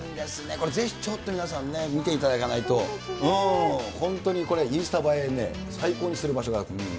これぜひちょっと皆さんね、見ていただかないと、本当にこれ、インスタ映えね、最高にする場所